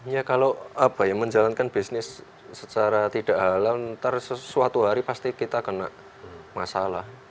ya kalau apa ya menjalankan bisnis secara tidak halal nanti suatu hari pasti kita kena masalah